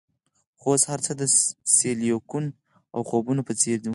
خو اوس هرڅه د سیلیکون او خوبونو په څیر وو